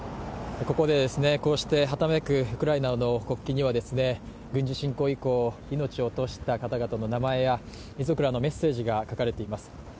ここでこうしてはためくウクライナの国旗には軍事侵攻以降、命を落とした方々の名前や遺族らのメッセージが書かれています。